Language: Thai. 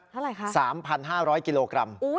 เท่าไหร่คะ๓๕๐๐กิโลกรัม